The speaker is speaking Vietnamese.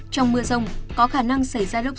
trong mưa rông có khả năng xảy ra lốc